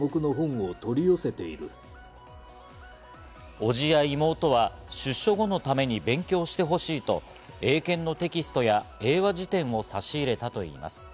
伯父や妹は出所後のために勉強してほしいと英検のテキストや英和辞典を差し入れたといいます。